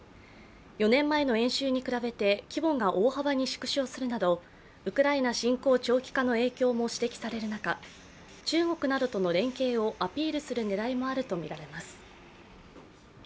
４年前の演習に比べて規模が大幅に縮小するなどウクライナ侵攻長期化の影響も指摘される中、中国などとの連携をアピールする狙いもあるとみられます。